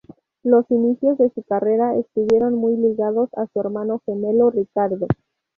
Los inicios de su carrera estuvieron muy ligados a su hermano gemelo Ricardo.